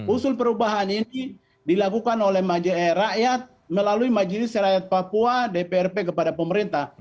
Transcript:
usul perubahan ini dilakukan oleh rakyat melalui majelis rakyat papua dprp kepada pemerintah